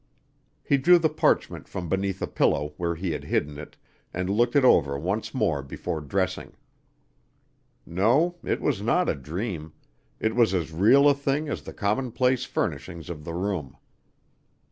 He drew the parchment from beneath his pillow, where he had hidden it, and looked it over once more before dressing. No, it was not a dream; it was as real a thing as the commonplace furnishings of the room.